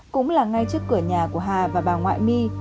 cũng là ngay trước cửa nhà của hà và bà ngoại my